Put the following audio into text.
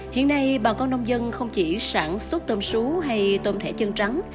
hiện nay bà con nông dân không chỉ sản xuất tôm sú hay tôm thẻ chân trắng